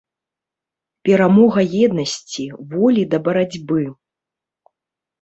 Перамога еднасці, волі да барацьбы.